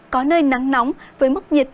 có nơi nắng nóng với mức nhiệt